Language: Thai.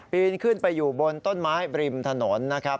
นขึ้นไปอยู่บนต้นไม้บริมถนนนะครับ